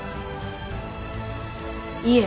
いえ！